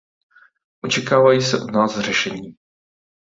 Očekávají se od nás řešení.